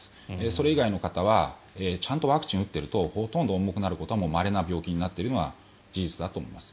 それ以外の方はちゃんとワクチンを打っているとほとんど重くなることはまれな病気になっているのは事実だと思います。